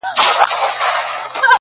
هغه سنګین، هغه سرکښه د سیالیو وطن!